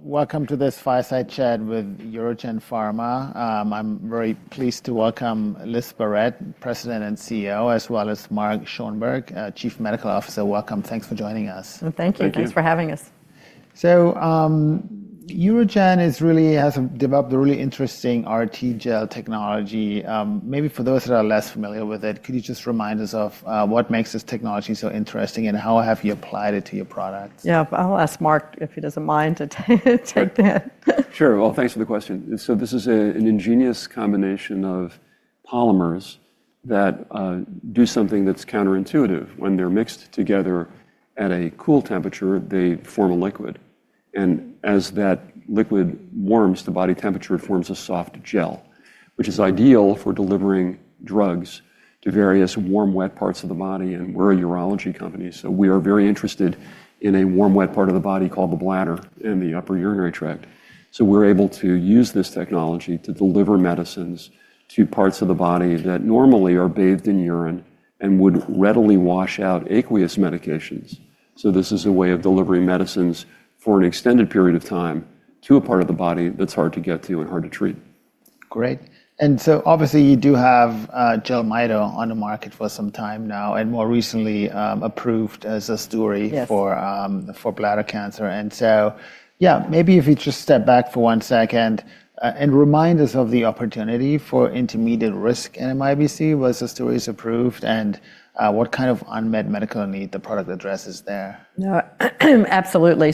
Welcome to this fireside chat with UroGen Pharma. I'm very pleased to welcome Liz Barrett, President and CEO, as well as Mark Schoenberg, Chief Medical Officer. Welcome. Thanks for joining us. Thank you. Thanks for having us. UroGen has developed a really interesting RTGel technology. Maybe for those that are less familiar with it, could you just remind us of what makes this technology so interesting and how have you applied it to your products? Yeah, I'll ask Mark if he doesn't mind to take that. Sure. Thanks for the question. This is an ingenious combination of polymers that do something that's counterintuitive. When they're mixed together at a cool temperature, they form a liquid. As that liquid warms to body temperature, it forms a soft gel, which is ideal for delivering drugs to various warm, wet parts of the body. We're a urology company, so we are very interested in a warm, wet part of the body called the bladder and the upper urinary tract. We're able to use this technology to deliver medicines to parts of the body that normally are bathed in urine and would readily wash out aqueous medications. This is a way of delivering medicines for an extended period of time to a part of the body that's hard to get to and hard to treat. Great. Obviously you do have Jelmyto on the market for some time now and more recently approved Zusduri for bladder cancer. Maybe if you just step back for one second and remind us of the opportunity for intermediate-risk NMIBC, with the therapy approved, and what kind of unmet medical need the product addresses there? Absolutely.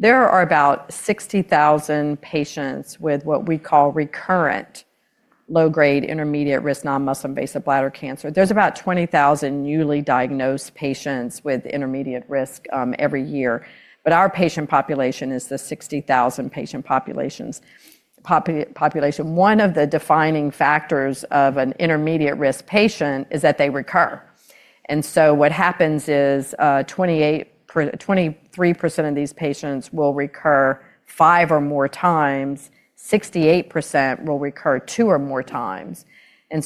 There are about 60,000 patients with what we call recurrent low-grade intermediate-risk non-muscle invasive bladder cancer. There are about 20,000 newly diagnosed patients with intermediate risk every year. Our patient population is the 60,000 patient population. One of the defining factors of an intermediate-risk patient is that they recur. What happens is 23% of these patients will recur five or more times. 68% will recur two or more times.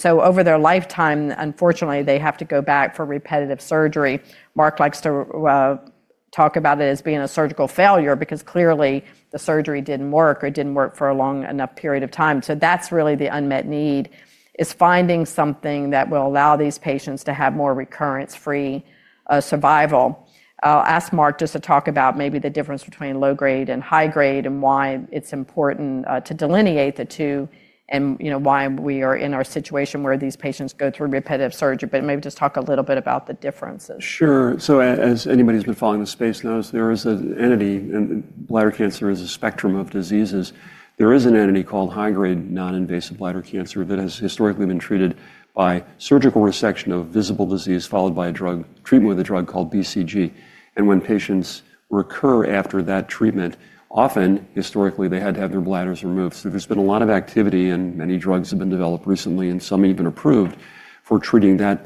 Over their lifetime, unfortunately, they have to go back for repetitive surgery. Mark likes to talk about it as being a surgical failure because clearly the surgery did not work or did not work for a long enough period of time. That is really the unmet need, finding something that will allow these patients to have more recurrence-free survival. I'll ask Mark just to talk about maybe the difference between low-grade and high-grade and why it's important to delineate the two and why we are in our situation where these patients go through repetitive surgery, maybe just talk a little bit about the differences. Sure. As anybody who's been following the space knows, there is an entity in bladder cancer as a spectrum of diseases. There is an entity called high-grade non- invasive bladder cancer that has historically been treated by surgical resection of visible disease followed by treatment with a drug called BCG. When patients recur after that treatment, often historically they had to have their bladders removed. There has been a lot of activity and many drugs have been developed recently and some even approved for treating that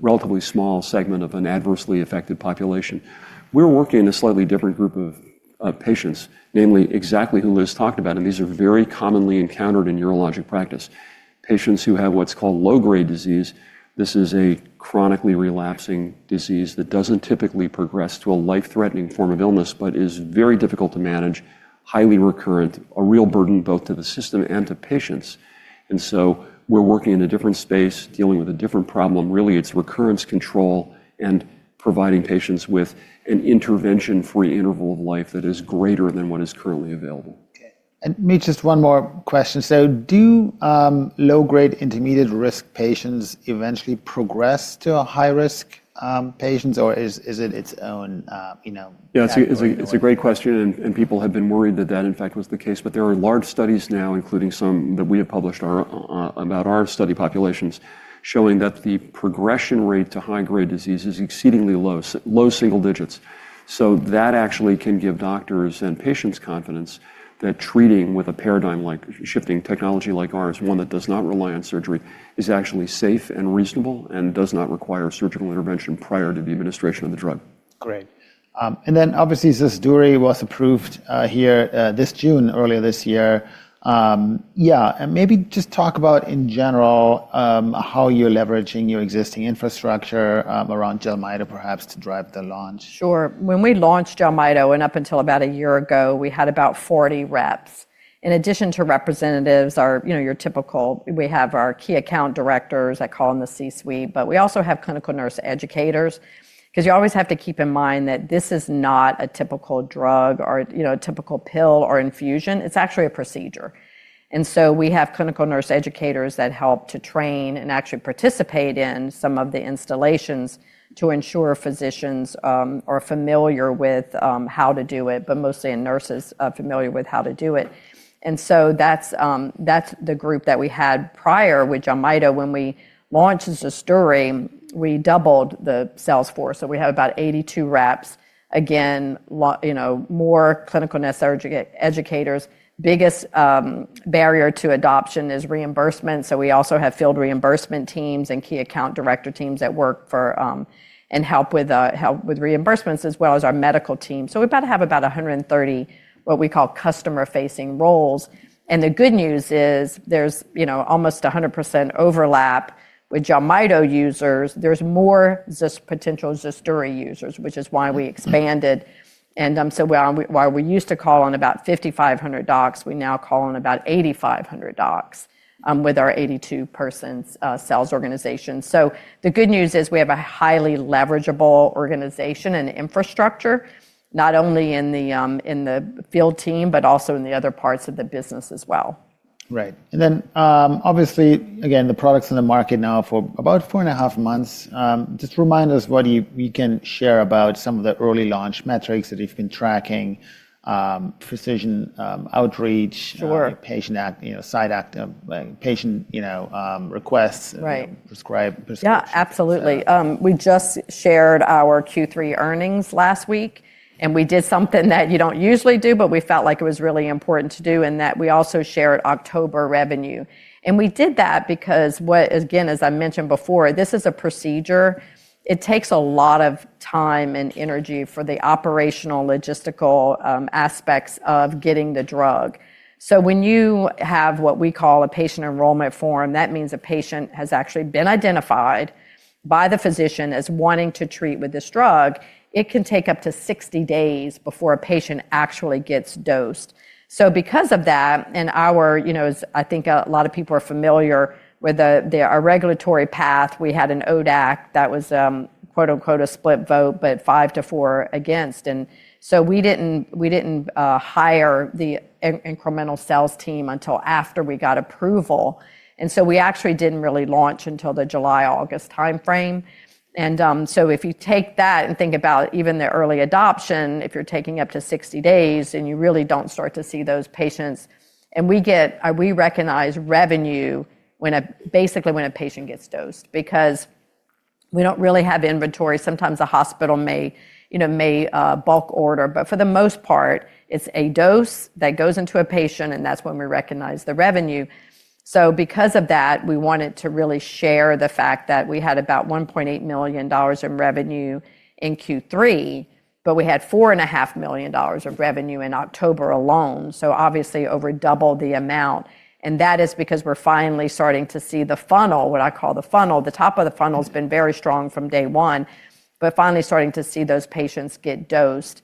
relatively small segment of an adversely affected population. We're working in a slightly different group of patients, namely exactly who Liz talked about. These are very commonly encountered in urologic practice. Patients who have what's called low-grade disease. This is a chronically relapsing disease that doesn't typically progress to a life-threatening form of illness, but is very difficult to manage, highly recurrent, a real burden both to the system and to patients. We're working in a different space dealing with a different problem. Really, it's recurrence control and providing patients with an intervention-free interval of life that is greater than what is currently available. Maybe just one more question. Do low-grade intermediate risk patients eventually progress to high-risk patients or is it its own? Yeah, it's a great question. People have been worried that that in fact was the case. There are large studies now, including some that we have published about our study populations, showing that the progression rate to high-grade disease is exceedingly low, low single digits. That actually can give doctors and patients confidence that treating with a paradigm-like shifting technology like ours, one that does not rely on surgery, is actually safe and reasonable and does not require surgical intervention prior to the administration of the drug. Great. Obviously Zusduri was approved here this June, earlier this year. Yeah. Maybe just talk about in general how you're leveraging your existing infrastructure around Jelmyto perhaps to drive the launch. Sure. When we launched Jelmyto and up until about a year ago, we had about 40 reps. In addition to representatives, your typical, we have our key account directors that call in the C-suite, but we also have clinical nurse educators because you always have to keep in mind that this is not a typical drug or a typical pill or infusion. It is actually a procedure. We have clinical nurse educators that help to train and actually participate in some of the instillations to ensure physicians are familiar with how to do it, but mostly nurses are familiar with how to do it. That is the group that we had prior with Jelmyto. When we launched Zusduri, we doubled the sales force. We have about 82 reps, again, more clinical nurse educators. Biggest barrier to adoption is reimbursement. We also have field reimbursement teams and key account director teams that work and help with reimbursements as well as our medical team. We have about 130 what we call customer-facing roles. The good news is there is almost 100% overlap with Jelmyto users. There is more potential Zusduri users, which is why we expanded. While we used to call on about 5,500 docs, we now call on about 8,500 docs with our 82-person sales organization. The good news is we have a highly leverageable organization and infrastructure, not only in the field team, but also in the other parts of the business as well. Right. Obviously, again, the product's in the market now for about four and a half months. Just remind us what we can share about some of the early launch metrics that you've been tracking, precision outreach, patient side active patient requests, prescribe. Yeah, absolutely. We just shared our Q3 earnings last week, and we did something that you don't usually do, but we felt like it was really important to do in that we also shared October revenue. We did that because what, again, as I mentioned before, this is a procedure. It takes a lot of time and energy for the operational logistical aspects of getting the drug. When you have what we call a patient enrollment form, that means a patient has actually been identified by the physician as wanting to treat with this drug. It can take up to 60 days before a patient actually gets dosed. Because of that, and I think a lot of people are familiar with our regulatory path, we had an ODAC that was "a split vote," but five to four against. We did not hire the incremental sales team until after we got approval. We actually did not really launch until the July-August timeframe. If you take that and think about even the early adoption, if you are taking up to 60 days and you really do not start to see those patients, and we recognize revenue basically when a patient gets dosed because we do not really have inventory. Sometimes a hospital may bulk order, but for the most part, it is a dose that goes into a patient, and that is when we recognize the revenue. Because of that, we wanted to really share the fact that we had about $1.8 million in revenue in Q3, but we had $4.5 million of revenue in October alone. Obviously, over double the amount. That is because we are finally starting to see the funnel, what I call the funnel. The top of the funnel has been very strong from day one, but finally starting to see those patients get dosed.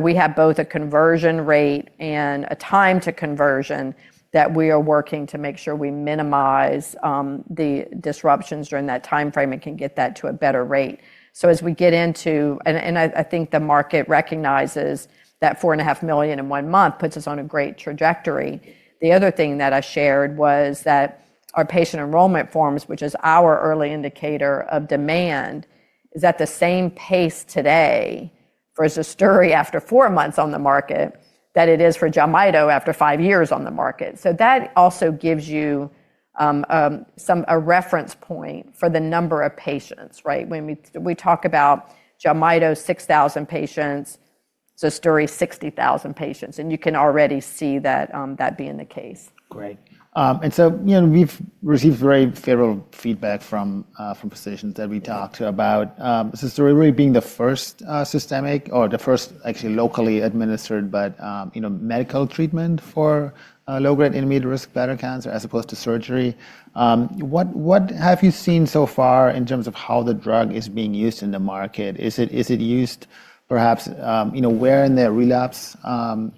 We have both a conversion rate and a time to conversion that we are working to make sure we minimize the disruptions during that timeframe and can get that to a better rate. As we get into, and I think the market recognizes that $4.5 million in one month puts us on a great trajectory. The other thing that I shared was that our patient enrollment forms, which is our early indicator of demand, is at the same pace today for Jelmyto after four months on the market that it is for Jelmyto after five years on the market. That also gives you a reference point for the number of patients, right? When we talk about Jelmyto's 6,000 patients, Zusduri's 60,000 patients, and you can already see that being the case. Great. We have received very favorable feedback from physicians that we talked about Zusduri really being the first systemic or the first actually locally administered, but medical treatment for low-grade intermediate-risk bladder cancer as opposed to surgery. What have you seen so far in terms of how the drug is being used in the market? Is it used perhaps where in the relapse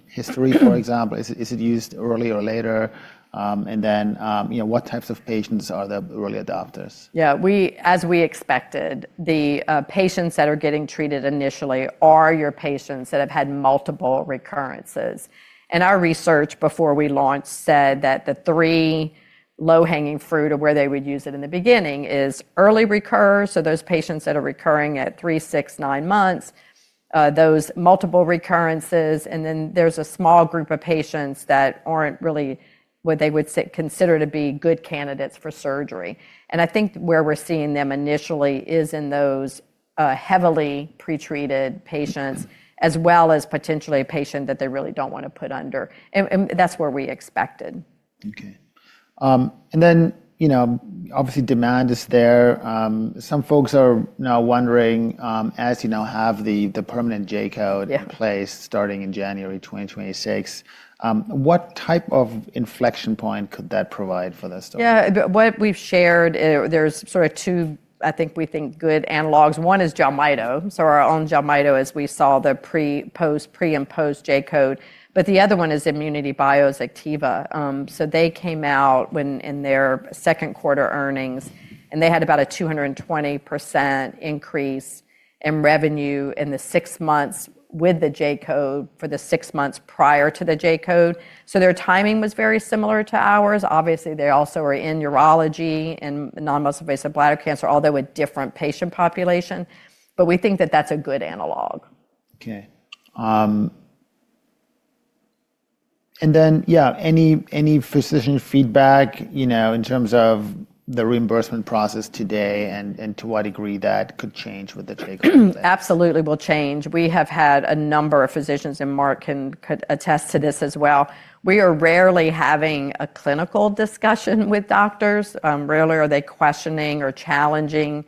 history, for example? Is it used early or later? What types of patients are the early adopters? Yeah, as we expected, the patients that are getting treated initially are your patients that have had multiple recurrences. Our research before we launched said that the three low-hanging fruit of where they would use it in the beginning is early recurs. Those patients that are recurring at three, six, nine months, those multiple recurrences, and then there's a small group of patients that aren't really what they would consider to be good candidates for surgery. I think where we're seeing them initially is in those heavily pretreated patients as well as potentially a patient that they really don't want to put under. That's where we expected. Okay. Obviously demand is there. Some folks are now wondering, as you now have the permanent J code in place starting in January 2026, what type of inflection point could that provide for Zusduri? Yeah, what we've shared, there's sort of two, I think we think good analogs. One is Jelmyto. So our own Jelmyto, as we saw the pre, post, pre-imposed J code. The other one is ImmunityBio's Anktiva. They came out in their second quarter earnings, and they had about a 220% increase in revenue in the six months with the J code for the six months prior to the J code. Their timing was very similar to ours. Obviously, they also are in urology and non-muscle invasive bladder cancer, although a different patient population. We think that that's a good analog. Okay. Yeah, any physician feedback in terms of the reimbursement process today and to what degree that could change with the J code? Absolutely will change. We have had a number of physicians, and Mark can attest to this as well. We are rarely having a clinical discussion with doctors. Rarely are they questioning or challenging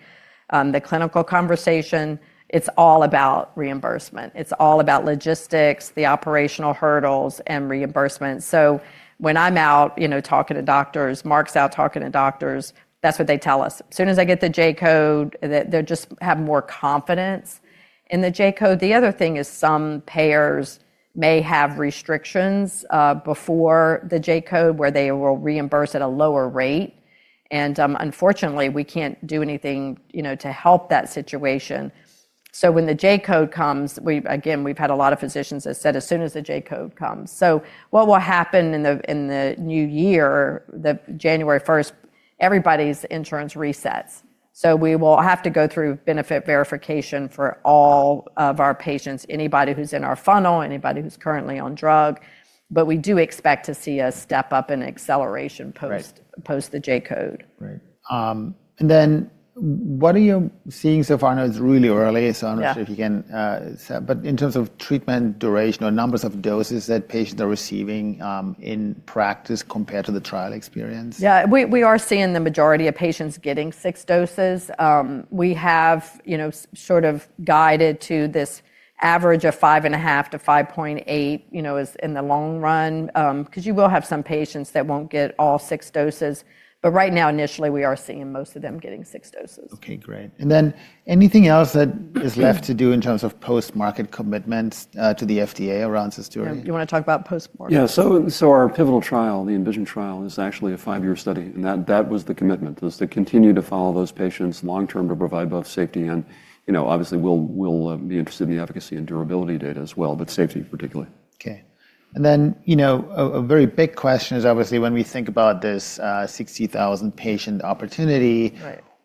the clinical conversation. It is all about reimbursement. It is all about logistics, the operational hurdles, and reimbursement. When I am out talking to doctors, Mark is out talking to doctors, that is what they tell us. As soon as I get the J code, they just have more confidence in the J code. The other thing is some payers may have restrictions before the J code where they will reimburse at a lower rate. Unfortunately, we cannot do anything to help that situation. When the J code comes, again, we have had a lot of physicians that said as soon as the J code comes. What will happen in the new year, January 1, everybody's insurance resets. We will have to go through benefit verification for all of our patients, anybody who's in our funnel, anybody who's currently on drug. We do expect to see a step up in acceleration post the J code. Right. What are you seeing so far? I know it's really early, so I'm not sure if you can, but in terms of treatment duration or numbers of doses that patients are receiving in practice compared to the trial experience? Yeah, we are seeing the majority of patients getting six doses. We have sort of guided to this average of five and a half to 5.8 in the long run because you will have some patients that won't get all six doses. Right now, initially, we are seeing most of them getting six doses. Okay, great. Is there anything else that is left to do in terms of post-market commitments to the FDA around Zusduri? You want to talk about post-market? Yeah. Our pivotal trial, the ENVISION trial, is actually a five-year study. That was the commitment, to continue to follow those patients long-term to provide both safety, and obviously we'll be interested in the efficacy and durability data as well, but safety particularly. Okay. A very big question is obviously when we think about this 60,000 patient opportunity,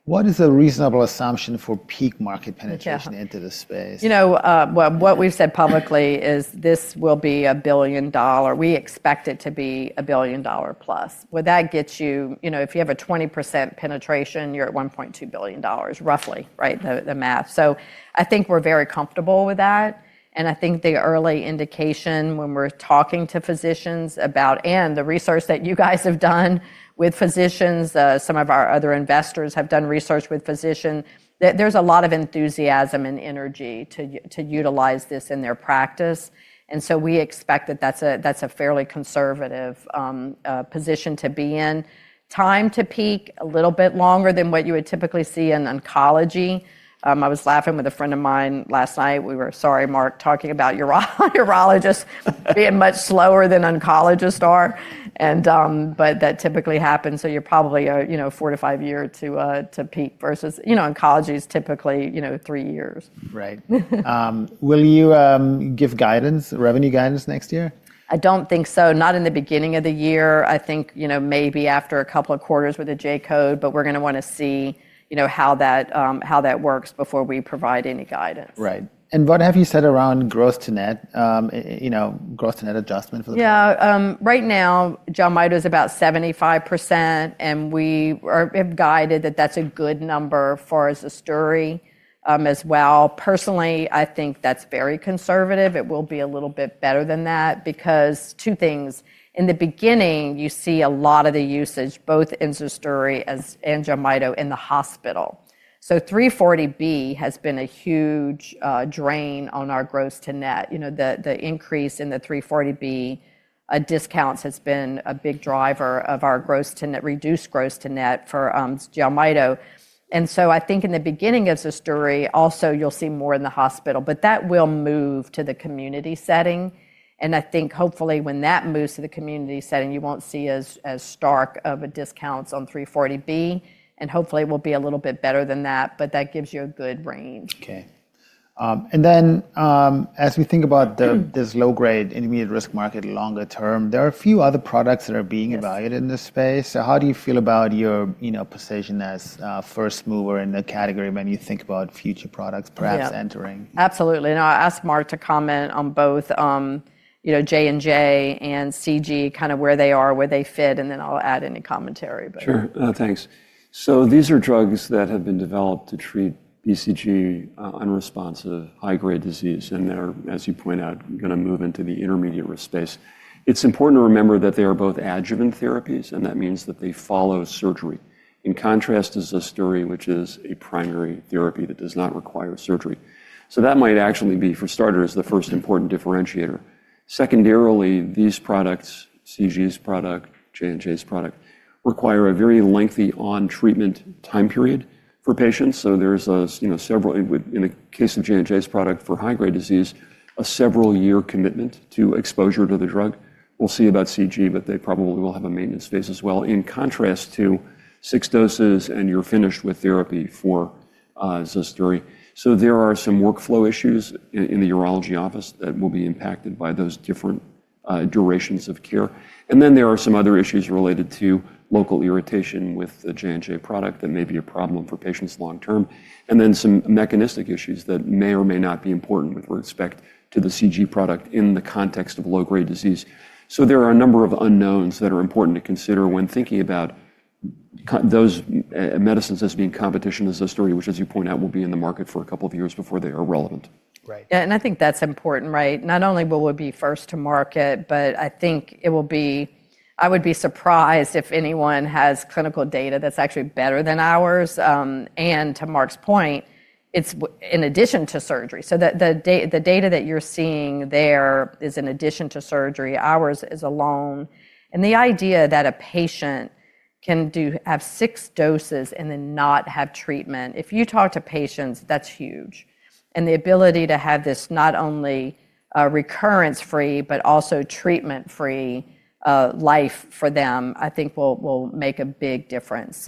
what is a reasonable assumption for peak market penetration into the space? You know, what we've said publicly is this will be a billion dollar. We expect it to be a billion dollar plus. That gets you, if you have a 20% penetration, you're at $1.2 billion roughly, right? The math. I think we're very comfortable with that. I think the early indication when we're talking to physicians about, and the research that you guys have done with physicians, some of our other investors have done research with physicians, there's a lot of enthusiasm and energy to utilize this in their practice. We expect that that's a fairly conservative position to be in. Time to peak a little bit longer than what you would typically see in oncology. I was laughing with a friend of mine last night. We were, sorry, Mark, talking about urologists being much slower than oncologists are. That typically happens. So you're probably a four- to five-year to peak versus oncology is typically three years. Right. Will you give guidance, revenue guidance next year? I don't think so. Not in the beginning of the year. I think maybe after a couple of quarters with the J code, but we're going to want to see how that works before we provide any guidance. Right. What have you said around gross-to-net adjustment for the? Yeah. Right now, Jelmyto is about 75%, and we have guided that that's a good number for Zusduri as well. Personally, I think that's very conservative. It will be a little bit better than that because two things. In the beginning, you see a lot of the usage both in Zusduri and Jelmyto in the hospital. 340B has been a huge drain on our gross-to-net. The increase in the 340B discounts has been a big driver of our reduced gross-to-net for Jelmyto. I think in the beginning of Zusduri, also you'll see more in the hospital, but that will move to the community setting. I think hopefully when that moves to the community setting, you won't see as stark of a discount on 340B. Hopefully it will be a little bit better than that, but that gives you a good range. Okay. As we think about this low-grade intermediate risk market longer term, there are a few other products that are being evaluated in this space. How do you feel about your position as first mover in the category when you think about future products perhaps entering? Absolutely. I'll ask Mark to comment on both J&J and CG, kind of where they are, where they fit, and then I'll add any commentary. Sure. Thanks. These are drugs that have been developed to treat BCG unresponsive high-grade disease. They're, as you point out, going to move into the intermediate risk space. It's important to remember that they are both adjuvant therapies, and that means that they follow surgery, in contrast to Zusduri, which is a primary therapy that does not require surgery. That might actually be, for starters, the first important differentiator. Secondarily, these products, CG's product, J&J's product, require a very lengthy on-treatment time period for patients. In the case of J&J's product for high-grade disease, there's a several-year commitment to exposure to the drug. We'll see about CG, but they probably will have a maintenance phase as well, in contrast to six doses and you're finished with therapy for Zusduri. There are some workflow issues in the urology office that will be impacted by those different durations of care. There are some other issues related to local irritation with the J&J product that may be a problem for patients long-term, and some mechanistic issues that may or may not be important with respect to the CG product in the context of low-grade disease. There are a number of unknowns that are important to consider when thinking about those medicines as being competition to Zusduri, which, as you point out, will be in the market for a couple of years before they are relevant. Right. Yeah. I think that's important, right? Not only will we be first to market, but I think it will be, I would be surprised if anyone has clinical data that's actually better than ours. To Mark's point, it's in addition to surgery. The data that you're seeing there is in addition to surgery. Ours is alone. The idea that a patient can have six doses and then not have treatment, if you talk to patients, that's huge. The ability to have this not only recurrence-free, but also treatment-free life for them, I think will make a big difference.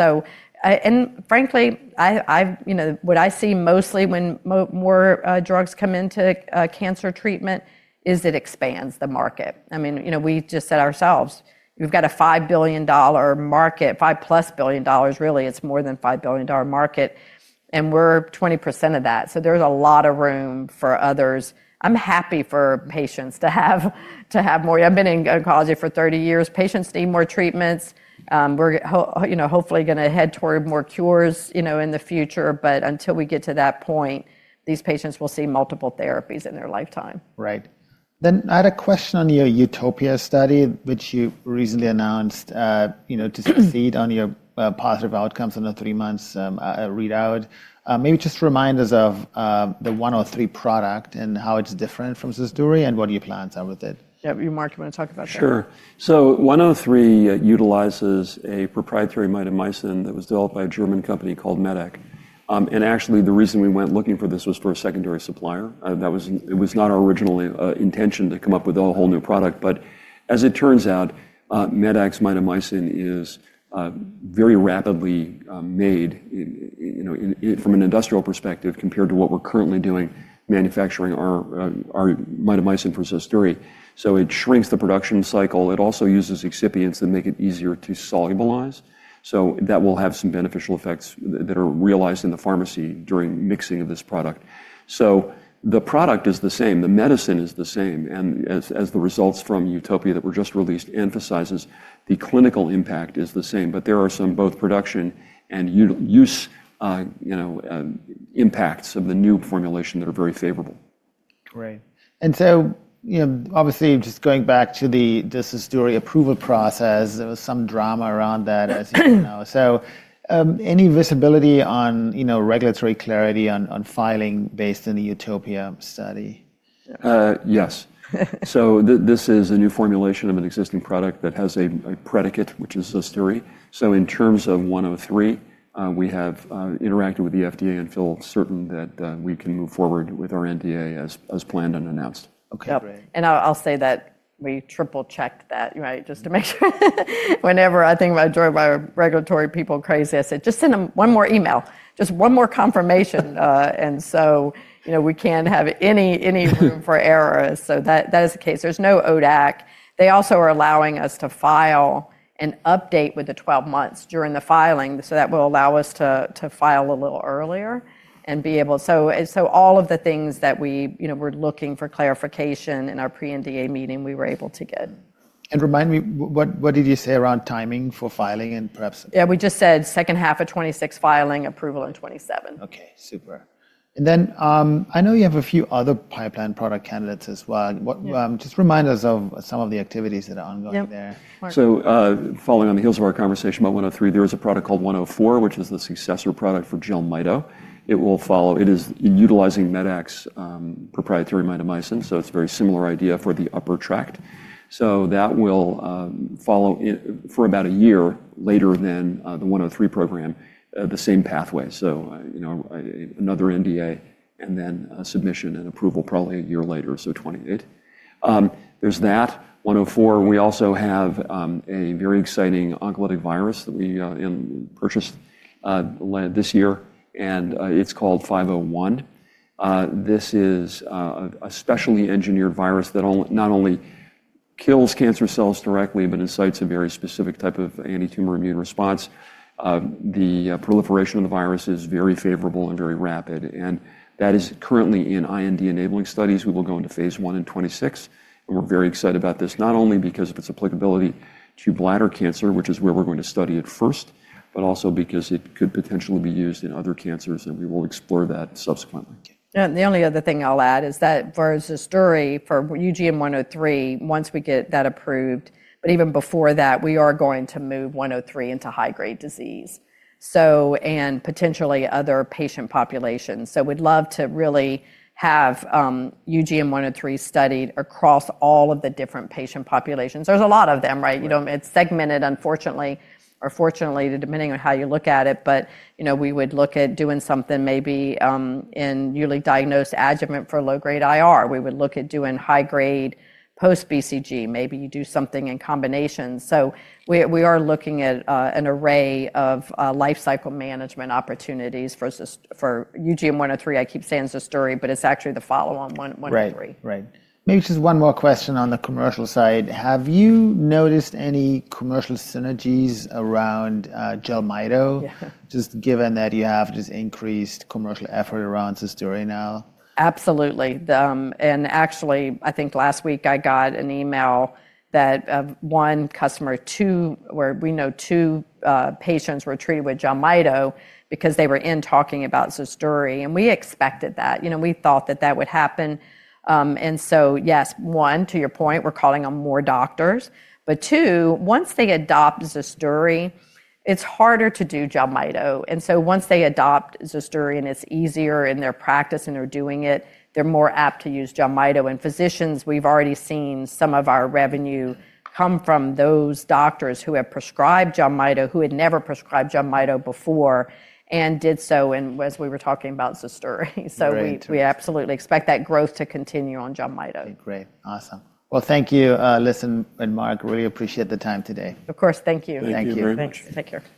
Frankly, what I see mostly when more drugs come into cancer treatment is it expands the market. I mean, we just said ourselves, we've got a $5 billion market, $5 plus billion dollars, really, it's more than $5 billion market, and we're 20% of that. There's a lot of room for others. I'm happy for patients to have more. I've been in oncology for 30 years. Patients need more treatments. We're hopefully going to head toward more cures in the future, but until we get to that point, these patients will see multiple therapies in their lifetime. Right. Then I had a question on your UTOPIA study, which you recently announced to succeed on your positive outcomes in the three months readout. Maybe just remind us of the 103 product and how it's different from Zusduri and what are your plans with it? Yeah, you, Mark, you want to talk about that? Sure. 103 utilizes a proprietary mitomycin that was developed by a German company called medac. Actually, the reason we went looking for this was for a secondary supplier. It was not our original intention to come up with a whole new product, but as it turns out, medac's mitomycin is very rapidly made from an industrial perspective compared to what we're currently doing, manufacturing our mitomycin for Jelmyto. It shrinks the production cycle. It also uses excipients that make it easier to solubilize. That will have some beneficial effects that are realized in the pharmacy during mixing of this product. The product is the same. The medicine is the same. As the results from UTOPIA that were just released emphasize, the clinical impact is the same, but there are some both production and use impacts of the new formulation that are very favorable. Great. Just going back to the Zusduri approval process, there was some drama around that, as you know. Any visibility on regulatory clarity on filing based in the UTOPIA study? Yes. This is a new formulation of an existing product that has a predicate, which is Zusduri. In terms of 103, we have interacted with the FDA and feel certain that we can move forward with our NDA as planned and announced. Okay. I'll say that we triple-checked that, right? Just to make sure. Whenever I think about drug regulatory people crazy, I say, "Just send them one more email. Just one more confirmation." We can't have any room for error. That is the case. There's no ODAC. They also are allowing us to file and update with the 12 months during the filing. That will allow us to file a little earlier and be able to, so all of the things that we were looking for clarification in our pre-NDA meeting, we were able to get. Remind me, what did you say around timing for filing and perhaps? Yeah, we just said second half of 2026 filing, approval in 2027. Okay, super. I know you have a few other pipeline product candidates as well. Just remind us of some of the activities that are ongoing there. Following on the heels of our conversation about 103, there is a product called 104, which is the successor product for Jelmyto. It will follow, it is utilizing medac's proprietary mitomycin. It is a very similar idea for the upper tract. That will follow about a year later than the 103 program, the same pathway. Another NDA and then submission and approval probably a year later, so 2028. There is that. 104, we also have a very exciting oncolytic virus that we purchased this year, and it is called 501. This is a specially engineered virus that not only kills cancer cells directly, but incites a very specific type of anti-tumor immune response. The proliferation of the virus is very favorable and very rapid. That is currently in IND enabling studies. We will go into phase one in 2026. We're very excited about this, not only because of its applicability to bladder cancer, which is where we're going to study it first, but also because it could potentially be used in other cancers, and we will explore that subsequently. The only other thing I'll add is that for Zusduri, for UGM-103, once we get that approved, but even before that, we are going to move 103 into high-grade disease and potentially other patient populations. We'd love to really have UGM-103 studied across all of the different patient populations. There's a lot of them, right? It's segmented, unfortunately, or fortunately, depending on how you look at it, but we would look at doing something maybe in newly diagnosed adjuvant for low-grade IR. We would look at doing high-grade post-BCG. Maybe you do something in combination. We are looking at an array of life cycle management opportunities for UGM-103. I keep saying Zusduri, but it's actually the follow-on 103. Right. Maybe just one more question on the commercial side. Have you noticed any commercial synergies around Jelmyto, just given that you have this increased commercial effort around Zusduri now? Absolutely. Actually, I think last week I got an email that one customer, where we know two patients were treated with Jelmyto because they were in talking about Zusduri. We expected that. We thought that would happen. Yes, to your point, we're calling on more doctors. Once they adopt Zusduri, it's harder to do Jelmyto. Once they adopt Zusduri and it's easier in their practice and they're doing it, they're more apt to use Jelmyto. Physicians, we've already seen some of our revenue come from those doctors who have prescribed Jelmyto, who had never prescribed Jelmyto before, and did so as we were talking about Zusduri. We absolutely expect that growth to continue on Jelmyto. Great. Awesome. Thank you, Liz and Mark. Really appreciate the time today. Of course. Thank you. Thank you. Take care.